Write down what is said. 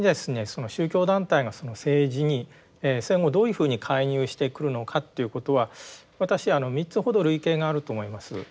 その宗教団体が政治に戦後どういうふうに介入してくるのかっていうことは私あの３つほど類型があると思います。